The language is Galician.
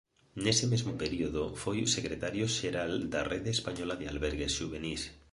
Nese mesmo período foi secretario xeral da Rede Española de Albergues Xuvenís.